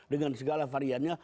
dengan segala variannya